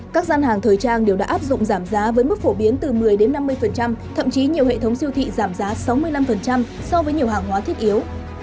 các gian hàng thời trang đều đã áp dụng giảm giá với mức phổ biến từ một mươi năm mươi thậm chí nhiều hệ thống siêu thị giảm giá sáu mươi năm so với nhiều hàng hóa thiết yếu